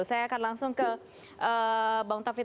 saya akan langsung ke bang taufik